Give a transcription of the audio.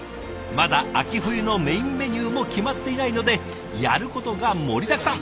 まだ秋冬のメインメニューも決まっていないのでやることが盛りだくさん。